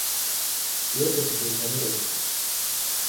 Iyo kesi ndeitanyiro nicha.